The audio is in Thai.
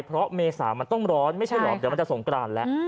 เพราะเมษามันต้องร้อนไม่ใช่เหรอเดี๋ยวมันจะสงกรานแล้ว